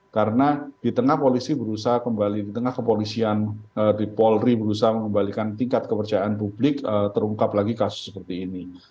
karena di tengah polisi berusaha kembali di tengah kepolisian di polri berusaha mengembalikan tingkat kepercayaan publik terungkap lagi kasus seperti ini